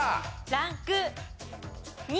ランク２。